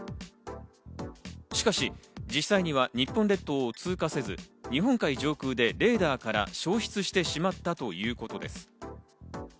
しかし、実際には日本列島を通過せず、日本海上空でレーダーから消失してしまったということです。